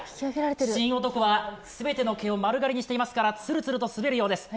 神男は全ての毛を丸刈りにしていますからつるつると滑るようです。